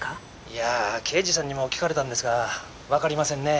いやあ刑事さんにも聞かれたんですがわかりませんね。